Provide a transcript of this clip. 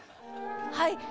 はい。